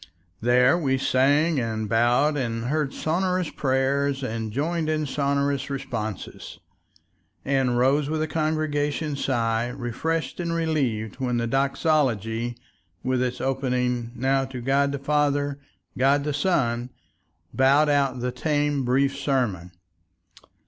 There we sang and bowed and heard sonorous prayers and joined in sonorous responses, and rose with a congregational sigh refreshed and relieved when the doxology, with its opening "Now to God the Father, God the Son," bowed out the tame, brief sermon.